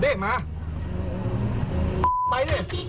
คิดไปดิ